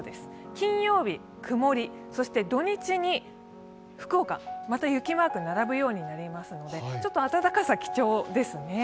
金曜日は曇り、土日に福岡、また雪マークが並ぶようになりますので暖かさ貴重ですね。